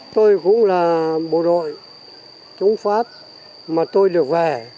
tôi cũng là bộ đội chúng pháp mà tôi được về